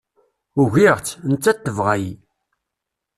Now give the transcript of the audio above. Ugiɣ-tt, nettat tebɣa-iyi